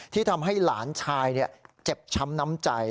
ที่ทำให้หลานชายเจ็บช้ำน้ำใจ